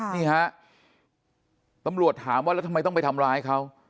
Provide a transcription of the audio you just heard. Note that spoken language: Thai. นี่ฮะตำรวจถามว่าแล้วทำไมต้องไปทำร้ายเขา